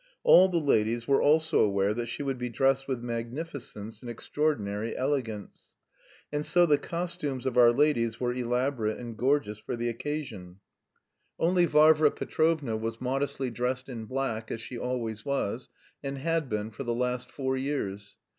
All the ladies were also aware that she would be dressed with magnificence and extraordinary elegance. And so the costumes of our ladies were elaborate and gorgeous for the occasion. Only Varvara Petrovna was modestly dressed in black as she always was, and had been for the last four years.